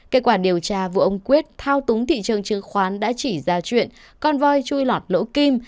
kết quả điều tra vụ ông quyết thao túng thị trường chứng khoán đã chỉ ra chuyện con voi chui lọt lỗ kim